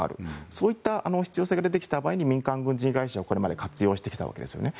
そういった必要性が出てきた場合に民間軍事会社をこれまで活用してきたわけですよね。